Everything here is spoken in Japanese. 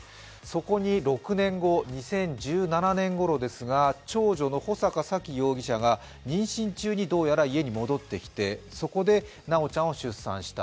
そこに６年後、２０１７年ごろですが長女の穂坂沙喜容疑者が妊娠中にどうやら家に戻ってきてそこで修ちゃんを出産した。